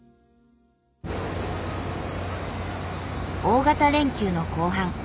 大型連休の後半。